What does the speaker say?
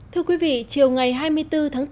thưa quý vị chiều ngày hai mươi bốn tháng bốn